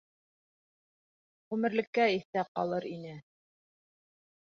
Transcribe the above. Ғүмерлеккә иҫтә ҡалыр ине.